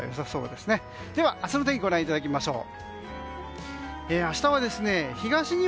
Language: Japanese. では、明日の天気をご覧いただきましょう。